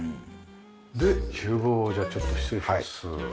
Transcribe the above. で厨房をじゃあちょっと失礼します。